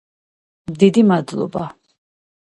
დიდი მადლობა!